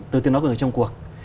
từ tiếng nói của người trong cuộc